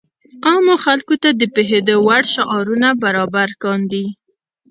عامو خلکو ته د پوهېدو وړ شعارونه برابر کاندي.